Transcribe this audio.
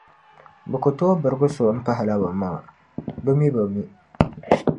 Bɛ ku tooi birigi so m-pahila bɛ maŋa, bɛ mi bi mi.